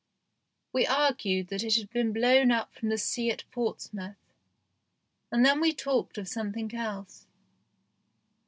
We argued that it had been blown up from the sea at Portsmouth, and then we talked of some thing else.